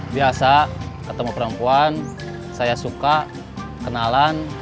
biasa ketemu perempuan saya suka kenalan